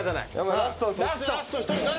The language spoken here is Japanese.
ラスト１人誰だ？